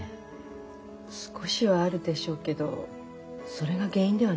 少しはあるでしょうけどそれが原因ではないと思いますが。